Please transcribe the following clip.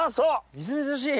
みずみずしい！